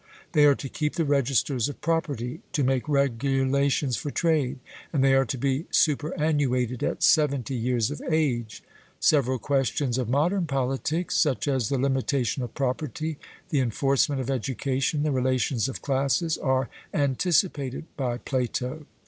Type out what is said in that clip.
They are to keep the registers of property, to make regulations for trade, and they are to be superannuated at seventy years of age. Several questions of modern politics, such as the limitation of property, the enforcement of education, the relations of classes, are anticipated by Plato.